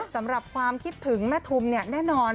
สำหรับความคิดถึงแม่ทุมแน่นอน